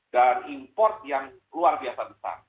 dan import yang luar biasa besar